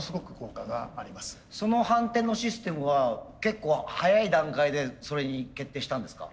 その反転のシステムは結構早い段階でそれに決定したんですか？